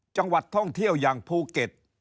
จังหวัดท่องเที่ยวอย่างภูเก็ต